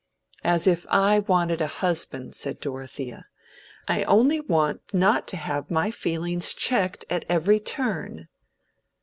"As if I wanted a husband!" said Dorothea. "I only want not to have my feelings checked at every turn."